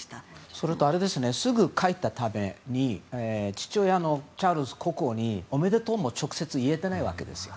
それとすぐ帰ったために父親のチャールズ国王におめでとうも直接言えてないわけです。